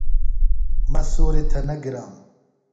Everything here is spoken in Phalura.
مہ سوریۡ تھےۡ نہ گرانوۡ۔